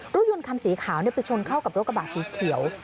รถยนต์คันสีขาวไปชนเข้ากับรถกระบะสีเขียว